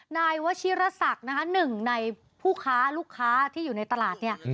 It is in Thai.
นายวชิรศักดิ์นะคะหนึ่งในผู้ค้าลูกค้าที่อยู่ในตลาดเนี่ย